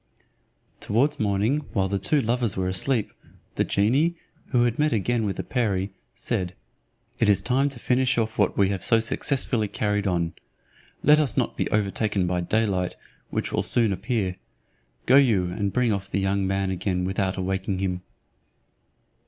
Towards morning, while the two lovers were asleep, the genie, who had met again with the perie, said, "It is time to finish what we have so successfully carried on; let us not be overtaken by day light, which will soon appear; go you and bring off the young man again without awaking him."